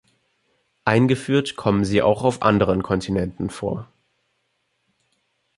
Eingeführt kommen sie auch auf anderen Kontinenten vor.